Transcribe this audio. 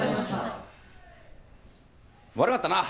悪かったな。